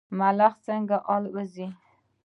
ملخ څنګه الوځي؟